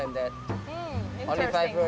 hanya lima kata setiap hari benar